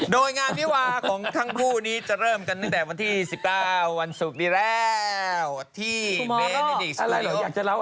โดยงามนี้ว่าของทั้งผู้นี้จะเริ่มกันตั้งแต่วันที่๑๙วันสุดนี้แล้ว